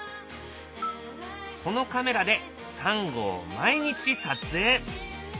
このカメラでサンゴを毎日撮影。